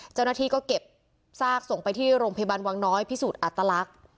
เจ้าหน้าที่ก็เก็บซากส่งไปที่โรงพยาบาลวังน้อยพิสูจน์อัตลักษณ์